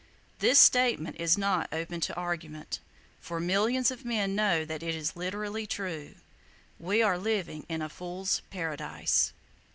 This statement is not open to argument; for millions of men know that it is literally true. We are living in a fool's paradise.